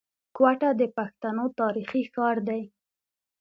کوټه د پښتنو تاريخي ښار دی.